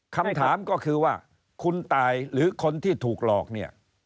คำถามก็คือว่าคุณตายหรือคนที่ถูกหลอกเนี่ย